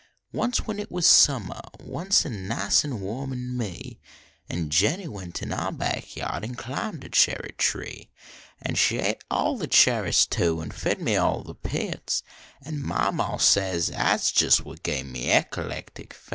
Once when it was summer Once, an nice an warm, nen me An" Jennie went in our back yard Nd climbed a cherry tree. An she ate all the cherries, too, An fed me all the pits, An my ma said at s jes what give Me ec a lec tic fits.